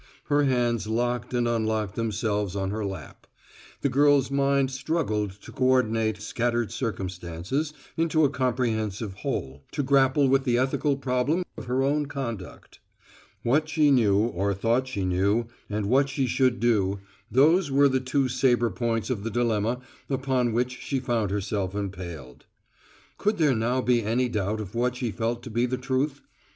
Her hands locked and unlocked themselves on her lap. The girl's mind was struggling to coordinate scattered circumstances into a comprehensible whole, to grapple with the ethical problem of her own conduct. What she knew, or thought she knew and what she should do those were the two saber points of the dilemma upon which she found herself impaled. Could there now be any doubt of what she felt to be the truth?